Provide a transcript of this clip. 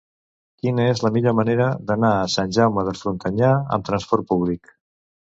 Quina és la millor manera d'anar a Sant Jaume de Frontanyà amb trasport públic?